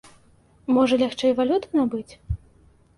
Можа, лягчэй валюту набыць?